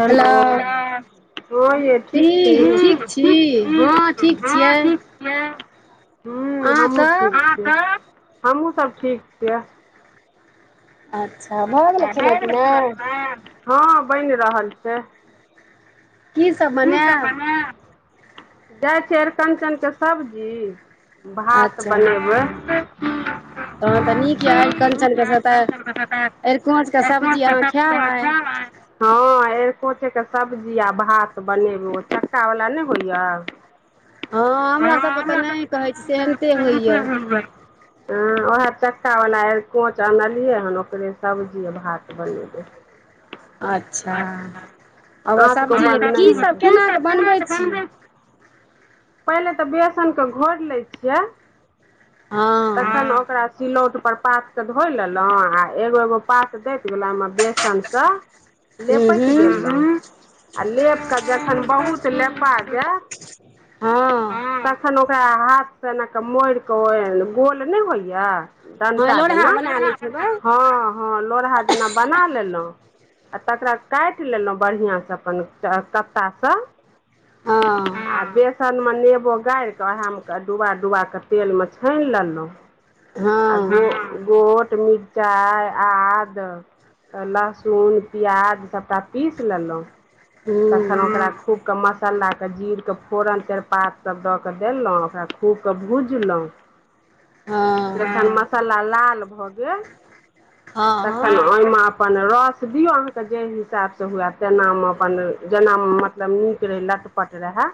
Hello हँ य ठीक छै हँ ठीक हूँ हमहु ठीक छियै हमहुँ सब ठीक छियै अच्छा हँ बैन रहल छै की सब बनायब जाई छियै अरिकचन के सब्जी भात बनेबै तहन तऽ नीक यऽ अरिक्चनके से तऽ अरिकोचके सब्जी अहाँ खायब आइ हँ कोच के सब्जी आ भात बनेबो चक्का वाला ने होइया [unintelligible] ह वएह चक्का वाला एरकोच आनलियै हन ओकरे सब्जी भात बनेबै अच्छा केंना क बनबे पहिले त बेसन के घोर लै छियै हँ तखन ओकरा सिलौट पर पातके धोइ लेलहुँ आ एगो एगो पात दैत गेलहुँ ओहिमे बेसन सँ लेपैत गेल ह आ लेप कऽ जखन बहुत लेपा जे तखन ओकरा हाथ से मोड़ क ओ गोल न होइया डंटा जेना हँ हँ लोढ़हा जेना बना लेलो आ तकरा काट लेलहुँ बढ़िआँ सँ अपन कत्ता सँ हँ आ बेसन मे नेबो गारकऽ ओएहमे मे डुबा डुबा कऽ तेल मे छैन लेलहुँं आ हा गो गोट म चाय आद त लहसुन प्याज सबटा पीस लेलो तखन ओकरा खूब के मसल्लाके जीरके फोरन तेजपात सब दऽ कऽ देलहुँ ओकरा खूब कऽ भुजलहुँ [inaudible] जखन मसाला लाल भऽ गेल तखन ओहिमे अपन रस दियौ अहाँके जे हिसाब सँ हुए तेना मे अपन जेना मतलब नीक रहै लटपट रहै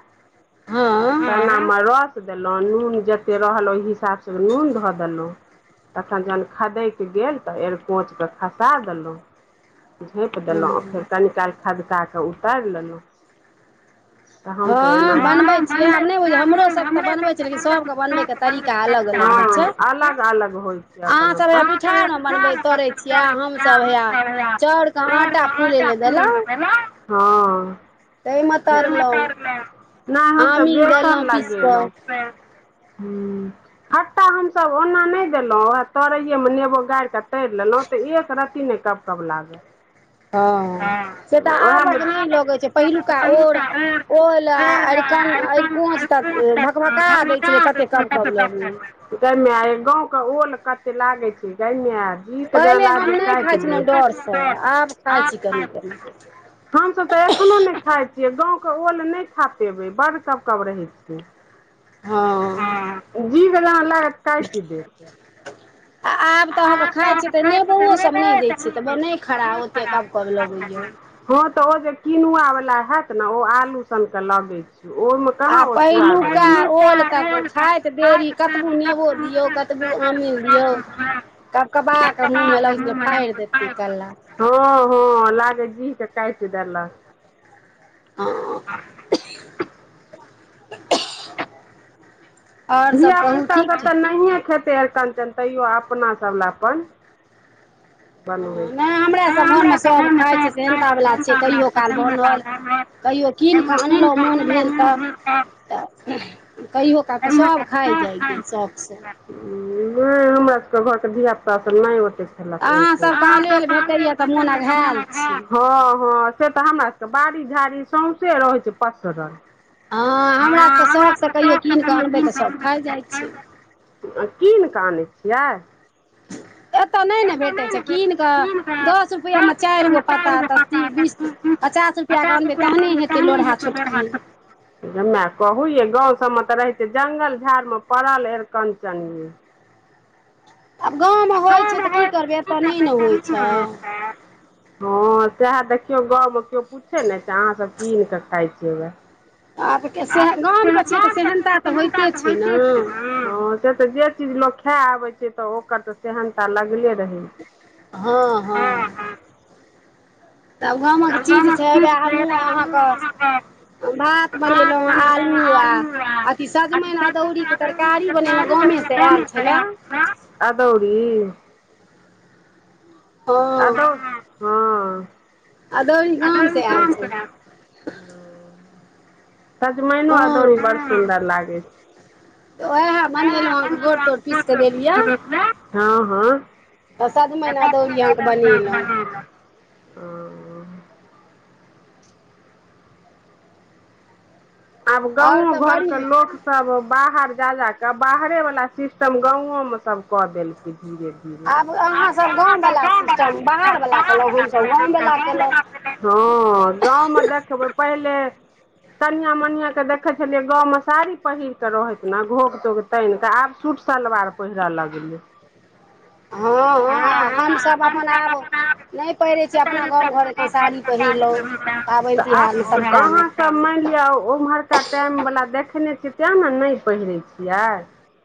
रस देलहुँ नून जेते रहल ओहि हिसाबसँ नून धऽ देलहुँ तखन जखन खदेक गेल त एरकोच के खसा देलो झाँपि देलहुँ आ फेर कनी काल खदका कऽ उतारि लेलहुँ सभ हँ बनब हमरे सब बनबा [unintelligible] अलग अलग होइ छै अपन अपन [unintelligible] कटा फूलै ल देलहु तहिमे तरलहु नहि हमसभ बेसन लगेलहु ह खट्टा हमसभ ओना नहि देलहुँ ओएह तरैएमे नेबो गार कऽ तैर लेलो त एकरर्ती ने कब कब लागे हँ से तऽ आबक नहि लगै छै पहिलुका ओर ओल अरिकन कोच त भकभका दै छलै तते कब कब लोमे गैमाए गांव के ओल कते लागे छै गै माए [unintelligible] आ आ हम सब त एखनो नहि खाए गाँके ओल नहि खा पेबै बड तबकब रहै छियै ह जीज लागत क चीज देत [unintelligible] आ आब त अहाँके खाइ छिय त नेबोओसभ नहि दै छियै त न खड़ा ओते कब कब लगैया हँ त ओ जे किनुआ बला होत ने ओ आलू सनके लगे छै ओहि मे आ पहिलुका ओल तक खाइत देरी कतबो नेबो दियौ कतबो आमील दियौ कबके बाह मुँह मे लग फाड़ देते कल्ला हँ लागे जी के काटि देलक ह [unintelligible] [unintelligible] धियापुता सब तऽ नहिए खेतै अर कञ्चन तैयो अपनासभ लए अपन बनबै हमर सब घरमे सब खाइ छै सेहनता बला छियै कहियो काल बनल कहियो कीन क आनलो मोन भेल त त कहियो कऽ कऽ सभ खाइ जाइ शौखसँ नहि हमरा सबके घरके धियापुतास सब नहि ओतै खेलक [inaudible] अहाँ ह ह से तऽ हमरा सबके बाड़ी झाड़ी सौंसे रहै छै पसरल हँ हमरा सभ के शौख सँ कहियो कीन क अनबै त सभ खाइ जाए छै कीन कऽ आनै छियै ह एतऽ नहि ने भेटै छै कीन कऽ दस रुपैयामे चारि गो पत्ता तऽ बीस पचास रुपैआके अनबै तहने हेतै लोढ़हा छोटकी ह कहू य गाँव सबमे तऽ रहै छै जंगल झाड़ मे पड़ल अरकञचन आब गाँवमे होइत छै तऽ की करबै एतय नहि ने होइत छै हँं सएह देखियौ गाँव मे केओ पूछे नहि छै अहाँ सभ कीन क खाए छियै होबय आ तऽ गामके छियै तऽ सहनता तऽ होइते छै ना से तऽ जे चीज लोक खा आबै छै तऽ ओकर तऽ सहनता लगले रहै हँ हँ तब गामक चीज छै वएह हमहूँ अहाँके भात बनेलहुँ हे आलू आ अथी सजमैन अदौरीके तरकारी बनेलहुँ गामे से आयल छलए अदौरी अदो हँ अदौरी गाम सँ आएल सजमैन अदौरी बड़ सुंन्दर लागे छै हा हा ओ आब गाँवो घरके लोक सब बाहर जा जाकऽ बाहरेवला सिस्टम गाँवो मे सब कऽ देलकै धीरे धीरे आब अहाँसभ गाँववला सिस्टम बाहरवला केलहुँ हमसभ गाँवला केलहुँ हँ गाँमे देखबै पहिले कनियाँके देखै छलियै गाँव मे साड़ी पहिर क रहैत ने घोघ तोग तान क आब सूट सलवार पहिर लाग लै हँ हँ हमसभ अपन आब नहि पहिरै छी अपना गाम घर एखन साड़ी पहिरलहुँ पाबनि तिहारमे सभटा मे सब मानि लिअ ओम्हरका टाइमवला देखेने छियै तैँ ने नहि पहिरै छियै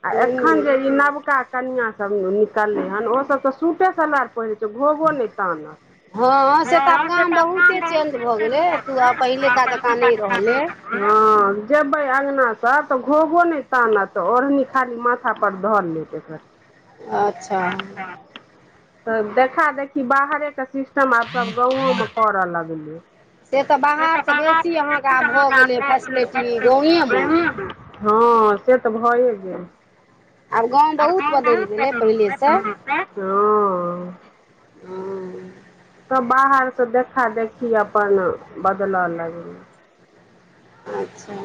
आ एखन जे ई नवका कनिया सब निकलले हन ओ सब त सूटे सलवार पहिरेय छै घोगो नहि तानत हँ त काम बहुते [inaudible] हँ जेबै अन्गना से तऽ घोघो नहि तानत ओढ़नी खाली माथा पर धर लेत ब [inaudible] अच्छा त देखा देखी बाहरे के सिस्टम आब सब गाँवो में करए लागलै त बाबाह [unintelligible] हँ से त भए गेल [unintelligible] ओ तब बाहर से देखा देखी अपन बदलऽ लगलै। अच्छा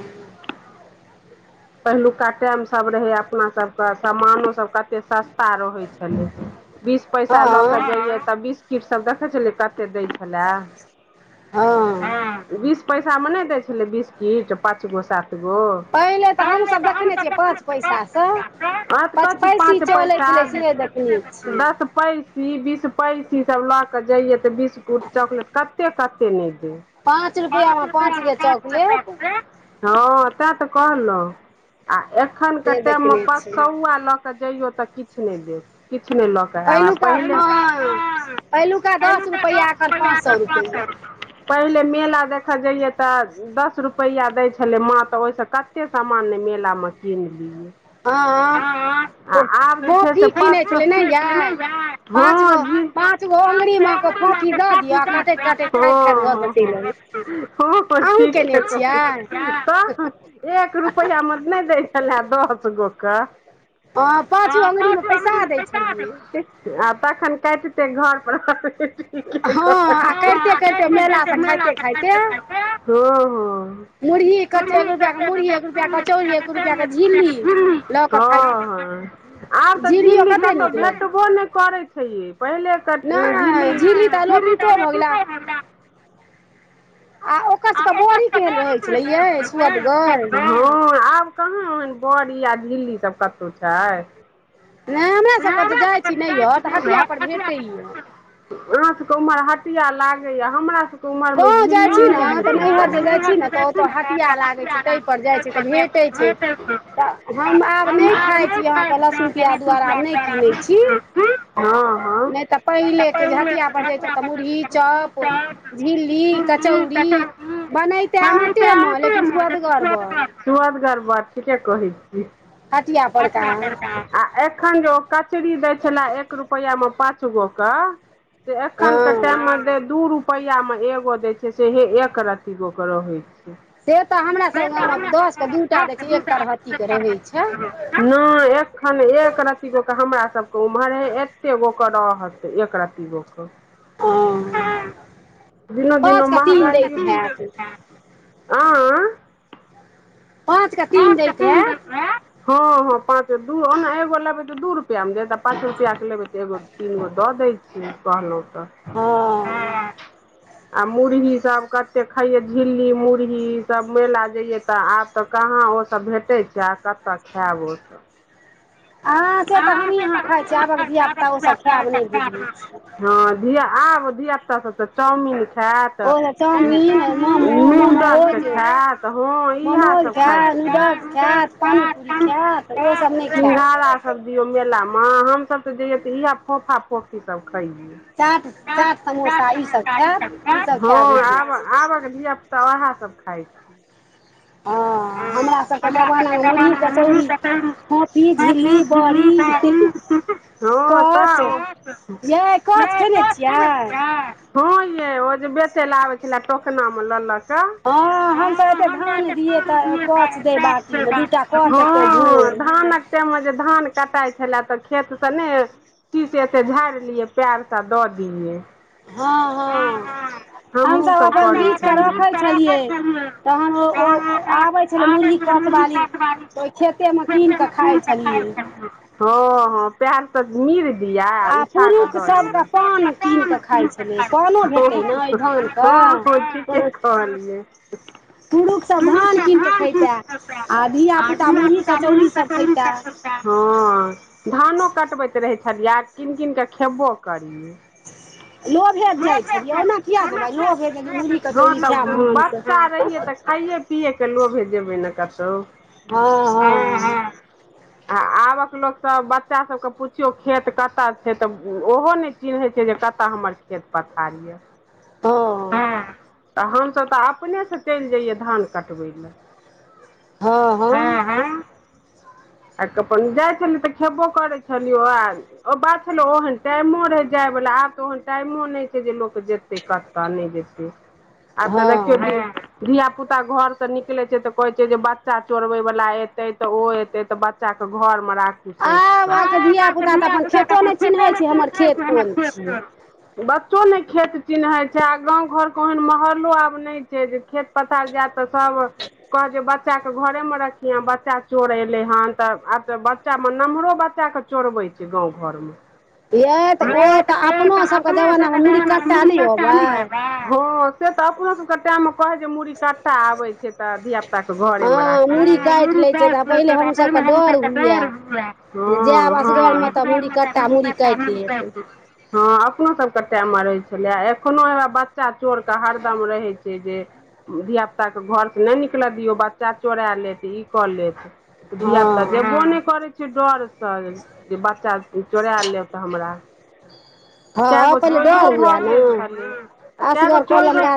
पहिलुका टाइमसभ रहै अपनासभके सामानोसभ कतेक सस्ता रहै छलै। बीस पैसा लऽ कऽ जइयै तऽ बीसकिट सभ देखैत छलियै कतेक दै छलै। बीस पैसा मे नहि दै छलै बीसकिट पाँच गो सात गो। पहिले तऽ हुम्हुँ सभ देखने छियै पाँच पैसा सँ पचपैसी चलै छलै से देखने छियै। पैसी बीस पैसी सब लऽ कऽ जइयए तऽ बिस्कुट चॉकलेट कतेक कतेक नहि दै। पाँच रुपआ मे पाँच गो चॉकलेट। हँ तैँ तऽ कहलहुँ आ एखनके टाइममे पचौ सुआ लऽ के जइयो तऽ किछु नहि देत किछु नहि ल पलुका हँ पलुका दस रुपैआ एखन पाँच सए रुपैआ। पहिले मेला देखे जइए ते दश रुपआा दय छले माँ तऽ ओहिस कते सामान्य मेला में कीन लीयै। हँ फोफी कीनै छलै नै येय पाँच गो पां पांच गो अंगुली मेऽ कऽ फाँफी दऽ दियअ आ काटैत काटैत खाइत खाइत घर पर चलि अबियाइ ह ठीके कहय छी एक रुपआ मे नहि दै छलै। दस गोकऽ आ तखन कटतै घर पर हँ आ करिते करिते मेला से खाइते खाइते हँ हँ मुुरही क एक रुपआ के म मुुरही एक रुपआ कचौड़ी एक रुपआ के झिल्ली हँ ह आब तऽ झिल्ली कतहु भेटबो नहि करैत छैय यै पहिले त झिल्ली तो भ गेला। आ ओकर सभके बड़ी केहन रहैत छलैयै सोअदगर। कहाँ ओहन बड़ी आ झिल्ली सब कतहु छैय। नहि हमरा सभके तऽ जाइत छी नहिहर तऽ हटिया पर भेटैया। अहा सब के उम्हर हटिया लागे या हमरा सब के उमर मे झिलली नहि भे त नैहर जे जाइ छी ने त ओत हटिया लागै छैय तैपर जाइ छैय त भेटै छैय। तऽ हम आब नहि खाइ छी अहाँके लहसुन प्याज द्वारा आब नहि कीनैत छी। हँ हँ नहि तऽ पहिलेके जे हटिया पर जतहु तऽ मुरही चप झिल्ली कचौड़ी बनते आटे मे लेकिन स्वदगड़ बड़। सुआदगर् बार ठीके कहै छी आ एखन जो कचरी दै छलै एक रुपआ मे पाँच गो क से एखन कते मर दे दू रुपआ या मे एगो दै छैय से हे एक रती गो के रहै छैय। से तऽ हमरा सबके गाँव मे दस के दू टा दै छियै एक तरहत्ती के रहै छैय। हँ ए खन एक रती गो केऽ हमरा सबके उम्हर हे एते गो के रहत एक र्ती गो केऽ। ह पाँच क तीन दैत हैत। आँ पाँच के तीन दैत हैत। हँ हँ पाँचो दू ऑना एगो लेबै तऽ दू रुपैआ मे देत पाँच रुपैआके लेबै तऽ एगो तीनगो दऽ दै छैय कहलहुँ त। त हँ आ मुरही सब कते खइयै झिल्ली मुरही ईसभ मेला जइयै तऽ आब तऽ कहाँ ओसभ भेटै छै आ कतय खायब ओसभ आहाँ से तऽ हमही यहाँ खाइ छीियै आबक धिय पुता ओसभ खायब नहि बुझलै छ धिया आब धिया पुता सब त चाउमन खैत नूडल्स खैत हँ इह [unintelligible] कियो मेला मे हम सब त जइये त इह फोफा फोफी सब खैयै [unintelligible] हैं आब आबक घिया पुता ओहै सब खाइ छी हँ हमरा सबके जमाना मे मुरही कचौड़ी फोफ़ी झल्ली बरी कच यै कच खेने छियै? हँ ये ओ जे बेचै ल आबै छलै टोकना मे ल ल के हँ हमसब एते धान दिये कच दे बाटी मे दूटा कच एतै झोर धानक टाइम मे जे धान कटाइ छलए तऽ खेत त ने की से एते झाड़िलियै पयर सा दऽ दियै हँ हँ हमसब अपन बीछ क रखै छलियै तहन ओ ओ आबे छले मुुरही कच बाली त ओहि खेते में कीन के खााय छलियै हँ हँ पएर सँ मर दिय उठा कऽ दऽ दिय [unintelligible] हँ हँ ठीकेे कहलियै [unintelligible] धान आ धिया पुता मुहरी कच्री हँ धानो कटबैत रहै छलियै आ कीन कीन क खेबो करियै [inaudible] लोभे जाइत छलियै ओना किया जेबै लोभे मुरही कचोरी खायब धान से खाए पियए के लोभे जेबै ने कतहु हँ हँ आ आबक लोक सब बच्चा सबके पुछिियौ खेत कतऽ छै तऽ ओहो ने चिन्हई छै जे कतअ हमर खेत पथार यै त हमसभ त अपने चलि जाइया धान कटबय लए हँ हँ आ अपन जाइ छलियै तऽ खेबो करै छलिये ओहे ओ बात छल ओहन टाइमो रहै जायवला आब तऽ ओहन टाइमो नहि छै जे लोक जेतै कतऽ नहि जेतै आब तऽ देखियौ जे धिया पुता घर से निकले छै ते कहे छै जे बच्चा चोरबे वालला एते तऽ ओ ए तै तऽ बच्चाके घरमे राख आाँके धिय पुताे खेतोमे च छै हमर खत [unintelligible] बच्चो नहि खेत चिन्हैत छै आ गाँव घरके ओहन मोहल्लो आब नहि छै जे खेत पथार जायत तऽ सब कह जे बच्चाके घरेमे रखिह बच्चा चोर एलै हन तऽ आब तऽ बच्चा मे नम्हरो बच क चोरबै छै गाँव घर मे यह तऽ ओ तऽ अपनोसभके जमानामे मूड़ी कट्टा नहि ओबै हँ से त अपनो सब के टाइम में कहै जे मुरड़ी काटा आबै छै तऽ धियाापुताके घरेमे राख ऽ डर हु [unintelligible] हँ आ अपनो सभके टाइम मरै छलै एखनो ह बच्चा चोरके हरदम रहै छै जे धियापुताके घरसँ नहि निकलय दियौ बच्चा चोरा लेत ई कऽ लेत धियापुता जेबो नहि करै छैिय डरसँ जे बच्चा चोरा लेब तऽ हमरा आ कए गो चोरो भऽ गेल छलै आ कए गो चोर